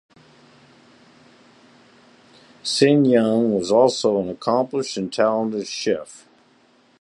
Sen Yung was also an accomplished and talented chef.